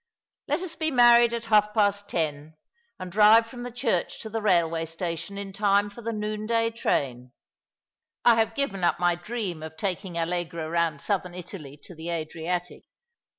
Let us be married at half past ten, and drive from the church to the railway station in time for the noonday train. I have given up my dream of taking Allegra round Southern Italy to the Adriatic.